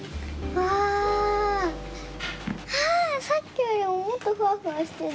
ああさっきよりももっとふわふわしてる！